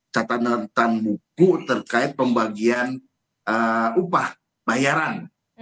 catatan rentan buku terkait pembagian upah bayaran